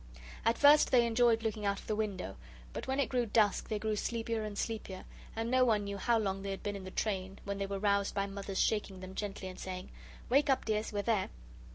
At first they enjoyed looking out of the window, but when it grew dusk they grew sleepier and sleepier, and no one knew how long they had been in the train when they were roused by Mother's shaking them gently and saying: "Wake up, dears. We're there."